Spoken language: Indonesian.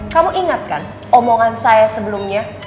kamu ingat kan omongan saya sebelumnya